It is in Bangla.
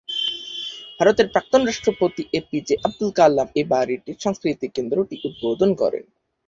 ভারতের প্রাক্তন রাষ্ট্রপতি A P J Abdul Kalam এই বাড়ির সাংস্কৃতিক কেন্দ্রটি উদ্বোধন করেন।